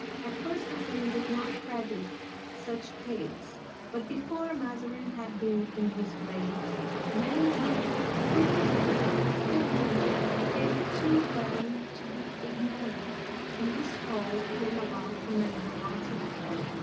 At first the king would not credit such tales, but before Mazarin had been in his grave many months Fouquet's stealings became too glaring to be ignored, and his fall can>e about in a dramatic way.